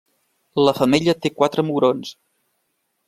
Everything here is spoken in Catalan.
La femella té quatre mugrons.